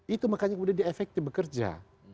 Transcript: itu makanya kemudian dia efektif bekerja